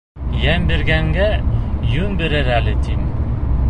Йән биргәнгә йүн бирер әле, тим.